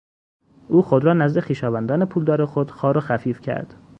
او خود را نزد خویشاوندان پولدار خود خوار و خفیف کرد.